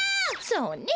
そうね。